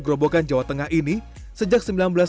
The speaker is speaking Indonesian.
gerobokan jawa tengah ini sejak